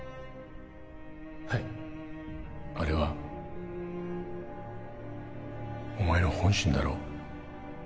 はいあれはお前の本心だろう？